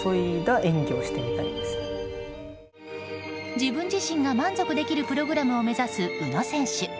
自分自身が満足できるプログラムを目指す宇野選手。